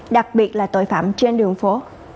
đặc biệt là tội phạm trên đường phố